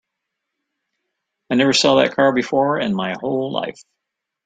I never saw that car before in my whole life.